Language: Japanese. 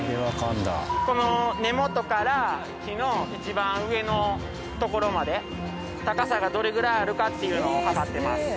この根元から木の一番上の所まで高さがどれぐらいあるかっていうのを測ってます。